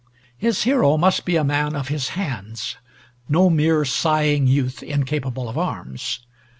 His hero must be a man of his hands, no mere sighing youth incapable of arms.